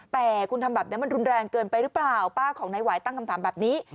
แต่คุณทำแบบนี้มันรุนแรงเกินไปหรือเปล่าป้าของนายหวายตั้งคำถามแบบนี้